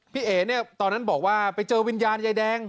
เอ๋เนี่ยตอนนั้นบอกว่าไปเจอวิญญาณยายแดง